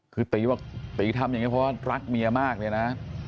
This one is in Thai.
คือตีบอกตีทำอย่างนี้เพราะว่ารักเมียมากเลยนะ